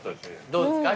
どうですか？